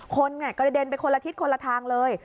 คนกระเด็นไปคนละทิศคนละทางเลย